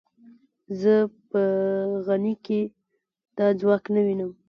زه په غني کې دا ځواک نه وینم.